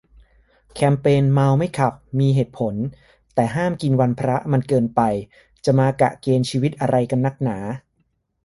แคมเปญ เมาไม่ขับ มีเหตุผล แต่ห้ามกินวันพระมันเกินไป จะมากะเกณฑ์ชีวิตอะไรกันนักหนา